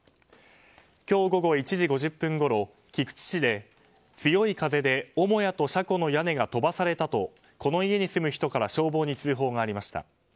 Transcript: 今日午後１時５０分ごろ菊池市で強い風で母屋と車庫の屋根が飛ばされたとこの家に住む人から消防に通報がありました。